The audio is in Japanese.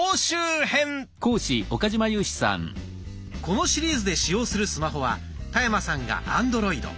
このシリーズで使用するスマホは田山さんがアンドロイド。